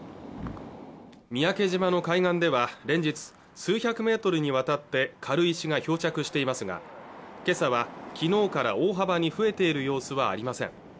三宅島の海岸では連日数百メートルにわたって軽石が漂着していますがけさはきのうから大幅に増えている様子はありません